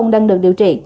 đang được điều trị